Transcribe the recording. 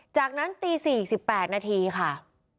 จากนั้นตี๔๘นาทีค่ะ